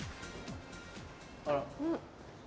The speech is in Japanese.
あら。